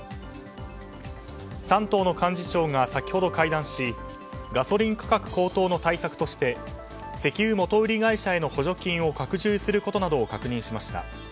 ３党の幹事長が先ほど会談しガソリン価格高騰の対策として石油元売り会社への補助金を拡充することなどを確認しました。